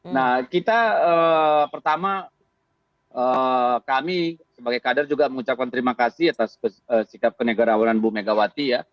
nah kita pertama kami sebagai kader juga mengucapkan terima kasih atas sikap kenegarawanan bu megawati ya